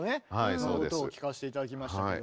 その音を聴かせて頂きましたけど。